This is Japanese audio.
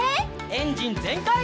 エンジンぜんかい！